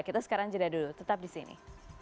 kita sekarang jeda dulu tetap di sini